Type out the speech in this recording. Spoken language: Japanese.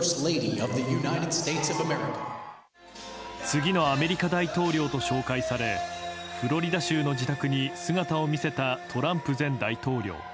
次のアメリカ大統領と紹介されフロリダ州の自宅に姿を見せたトランプ前大統領。